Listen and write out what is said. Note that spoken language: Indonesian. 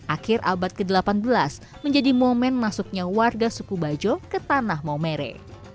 akhir abad ke delapan belas menjadi momen masuknya warga suku bajo ke tanah maumere